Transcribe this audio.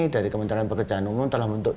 dari kementerian pekerjaan umum telah membentuk